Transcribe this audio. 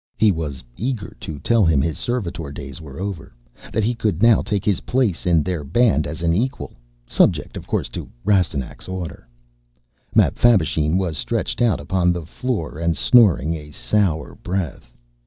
He was eager to tell him his servitor days were over, that he could now take his place in their band as an equal. Subject, of course, to Rastignac's order. Mapfabvisheen was stretched out upon the floor and snoring a sour breath.